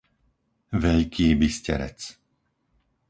Veľký Bysterec